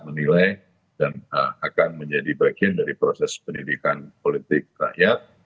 menilai dan akan menjadi bagian dari proses pendidikan politik rakyat